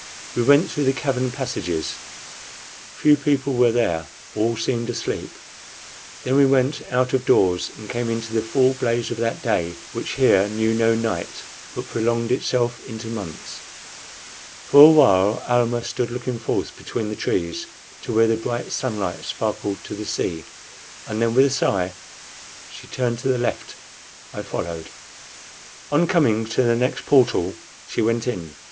We went through the cavern passages. Few people were there; all seemed asleep. Then we went out of doors and came into the full blaze of that day which here knew no night, but prolonged itself into months. For a while Almah stood looking forth between the trees to where the bright sunlight sparkled on the sea, and then with a sigh she turned to the left. I followed. On coming to the next portal she went in.